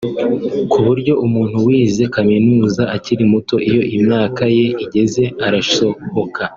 ku buryo umuntu wize kaminuza akiri muto iyo imyaka ye igeze arasohoka